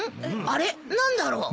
あれ何だろう？